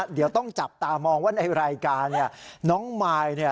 เดี๋ยวต้องจับตามองว่าในรายการน้องใหม่